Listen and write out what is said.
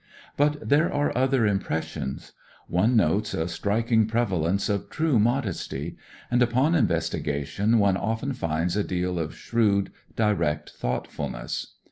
But there are other impressions. One notes a striking preva lence of true modesty. And upon investigation one often finds a deal of shrewd, direct thoughtfulness.